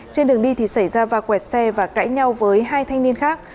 trên đường đi thì xảy ra va quẹt xe và cãi nhau với hai thanh niên khác